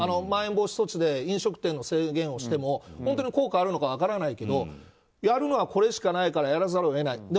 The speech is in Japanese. まん延防止措置で飲食店の制限をしても本当に効果があるのかは分からないけどもやるのはこれしかないからやらざるを得ない。